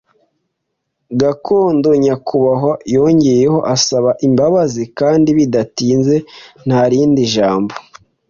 gakondo, nyakubahwa, ”yongeyeho asaba imbabazi. Kandi bidatinze, nta rindi jambo,